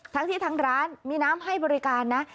ทั้งที่ทางร้านมีน้ำให้บริการนะ